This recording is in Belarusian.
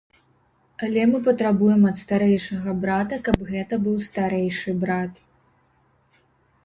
Але мы патрабуем ад старэйшага брата, каб гэта быў старэйшы брат.